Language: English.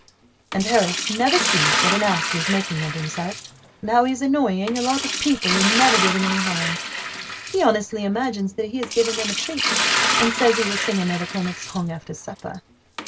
And Harris never sees what an ass he is making of himself, and how he is annoying a lot of people who never did him any harm. He honestly imagines that he has given them a treat, and says he will sing another comic song after supper.